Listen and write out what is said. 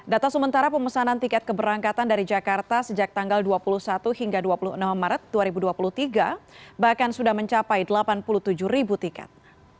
data sementara pemesanan tiket keberangkatan dari jakarta sejak tanggal dua puluh satu hingga dua puluh enam maret dua ribu dua puluh tiga bahkan sudah mencapai delapan puluh tujuh ribu tiket